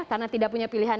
karena tidak punya pilihan